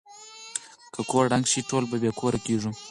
که کور ړنګ شي ټول بې کوره کيږو.